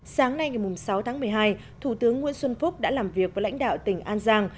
sáng nay ngày sáu tháng một mươi hai thủ tướng nguyễn xuân phúc đã làm việc với lãnh đạo tỉnh an giang